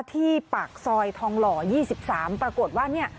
ที่ปากซอยทองหล่อ๒๓ปรากฏว่าเนี่ย